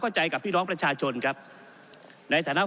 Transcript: ก็ได้มีการอภิปรายในภาคของท่านประธานที่กรกครับ